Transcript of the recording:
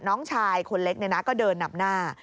น้องชายคุณเล็กเนี่ยนะก็เดินนับหน้า